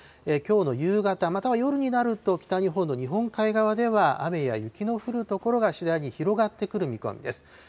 きょうの夕方、または夜になると、北日本の日本海側では雨や雪の降る所が次第に広がってくる見込みです。